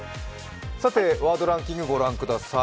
さて、ワードランキング、ご覧ください。